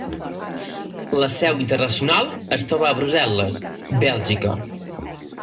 La seu internacional es troba a Brussel·les, Bèlgica.